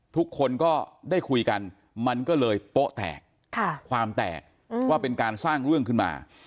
ทุกคนก็ได้คุยกันมันก็เลยโป๊ะแตกความแตกว่าเป็นการสร้างเรื่องขึ้นมา